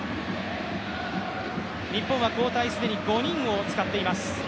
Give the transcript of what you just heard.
日本は交代、既に５人を使っています。